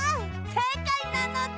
せいかいなのだ！